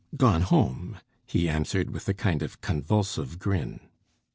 "Gone home," he answered, with a kind of convulsive grin.